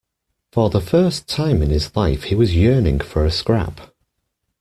For the first time in his life he was yearning for a scrap.